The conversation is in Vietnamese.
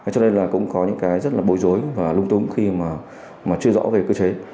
cho nên là cũng có những cái rất là bồi dối và lung tung khi mà chưa rõ về cơ chế